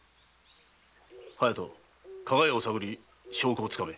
隼人加賀屋を探り証拠を掴め。